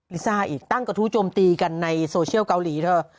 ลิซ่าอีกตั้งกระทู้โจมตีกันในโซเชียลเกาหลีเธอ